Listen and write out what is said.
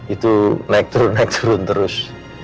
itu naik turun naik turun terus